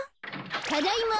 ただいま。